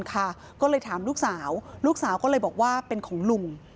ก็เลยถามลูกสาวลูกสาวก็เลยบอกว่าเป็นของลุง